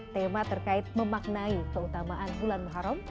tema terkait memaknai keutamaan bulan muharam